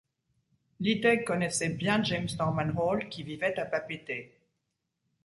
Leeteg connaissait bien James Norman Hall qui vivait à Papeete.